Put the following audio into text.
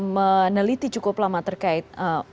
meneliti cukup lama terkait